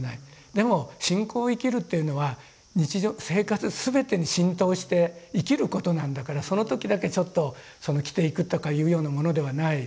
でも信仰を生きるっていうのは日常生活全てに浸透して生きることなんだからその時だけちょっと着ていくとかいうようなものではない。